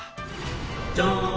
「じゃん」